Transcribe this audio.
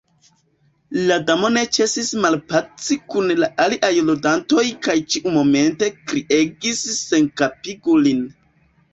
La Damo ne ĉesis malpaci kun la aliaj ludantoj kaj ĉiumomente kriegis "Senkapigu lin."